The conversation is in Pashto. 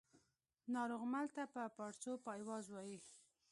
ناروغمل ته په پاړسو پایواز وايي